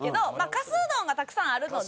かすうどんがたくさんあるので。